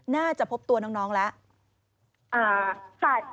น่าจะพบตัวน้องแล้ว